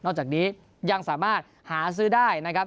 นอกจากนี้ยังสามารถหาซื้อได้